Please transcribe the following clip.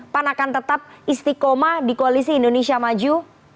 pan akan tetap istiqomah di koalisi indonesia maju